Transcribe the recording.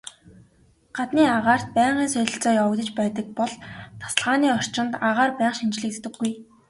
Гаднын агаарт байнгын солилцоо явагдаж байдаг бол тасалгааны орчинд агаар байнга шинэчлэгддэггүй.